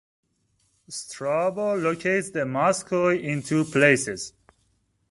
Strabo locates the Moschoi in two places.